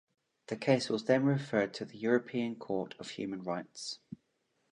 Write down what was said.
The case was then referred to the European Court of Human Rights.